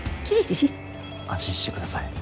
安心して下さい。